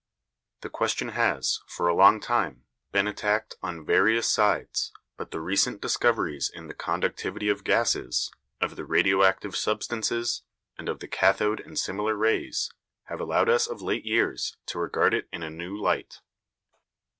The question has, for a long time, been attacked on various sides, but the recent discoveries in the conductivity of gases, of the radioactive substances, and of the cathode and similar rays, have allowed us of late years to regard it in a new light.